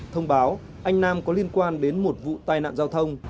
thông báo anh nam có liên quan đến một vụ tai nạn giao thông